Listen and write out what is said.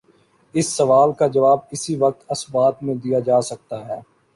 اس سوال کا جواب اسی وقت اثبات میں دیا جا سکتا ہے۔